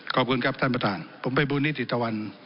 ขอบคุณครับท่านประธานผมไปบูรณิติตะวัน